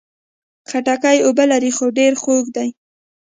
خټکی اوبه لري، خو ډېر خوږه ده.